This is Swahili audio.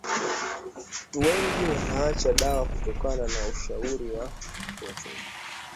watu wengi wanaacha dawa kutokana na ushauri wa wachungaji wao